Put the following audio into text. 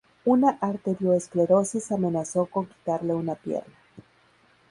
Una arterioesclerosis amenazó con quitarle una pierna.